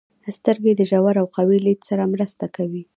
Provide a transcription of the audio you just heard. • سترګې د ژور او قوي لید سره مرسته کوي.